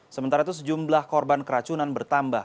sementara itu sejumlah korban keracunan bertambah